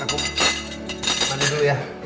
aku mandi dulu ya